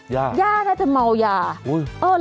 ญาญาน่าจะเมายาเหรอนะะ